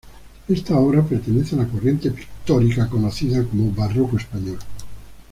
Esta obra pertenece a la corriente pictórica conocida como Barroco español.